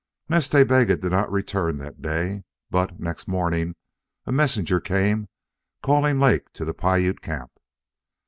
Nas Ta Bega did not return that day, but, next morning a messenger came calling Lake to the Piute camp.